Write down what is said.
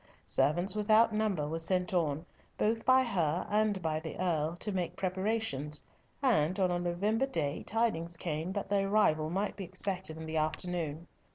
Servants without number were sent on, both by her and by the Earl, to make preparations, and on a November day, tidings came that the arrival might be expected in the afternoon.